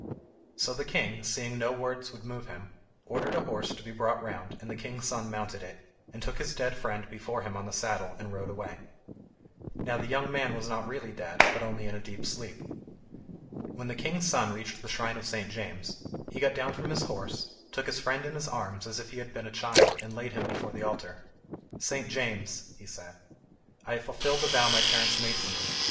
So the king, seeing no words would move him, ordered a horse to be brought round, and the king's son mounted it, and took his dead friend before him on the saddle, and rode away. Now the young man was not really dead, but only in a deep sleep. When the king's son reached the shrine of St. James he got down from his horse, took his friend in his arms as if he had been a child, and laid him before the altar. "St. James," he said, "I have fulfilled the vow my parents made for me.